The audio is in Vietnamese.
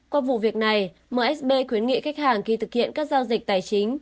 qua vụ việc này msb khuyến nghị khách hàng khi thực hiện các giao dịch tài chính